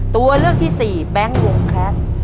ตัวเลือกที่สี่แบงค์วงแคลส